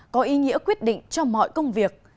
có ý nghĩa quyết định cho mọi công việc